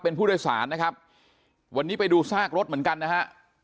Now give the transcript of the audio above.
เป็นผู้โดยสารนะครับวันนี้ไปดูซากรถเหมือนกันนะฮะ